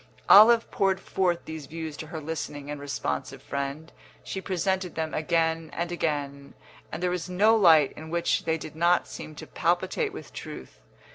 Olive poured forth these views to her listening and responsive friend; she presented them again and again, and there was no light in which they did not seem to palpitate with truth.